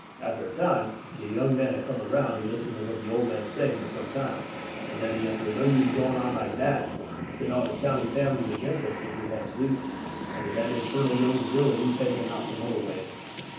After a time de young un come round, he listen to what the old man say for some time; den he answer: 'No use going on like dat. Set all de county families against us if we have suit. As to dat infernal young villain, me pay him out some other way.'